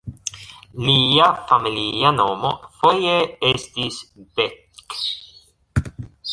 Lia familia nomo foje estis "Beck".